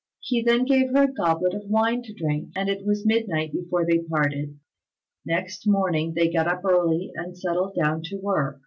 He then gave her a goblet of wine to drink, and it was midnight before they parted. Next morning they got up early and settled down to work.